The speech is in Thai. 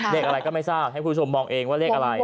เลขอะไรก็ไม่ทราบให้คุณผู้ชมมองเองว่าเลขอะไร